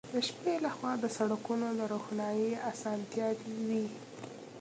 د شپې له خوا د سړکونو د روښنايي اسانتیاوې وې